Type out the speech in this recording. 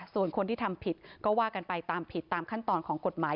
ส่วนคนที่ทำผิดก็ว่ากันไปตามผิดตามขั้นตอนของกฎหมาย